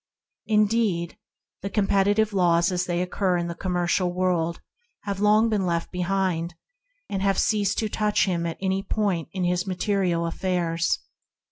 Indeed, the com petitive laws, as they obtain in the com mercial world, have here been long left behind, and have ceased to touch him at any point in his material affairs.